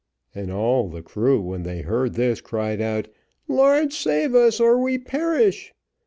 and all the crew, when they heard this, cried out 'Lord, save us, or we perish.'